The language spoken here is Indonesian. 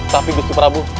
tapi bistri prabu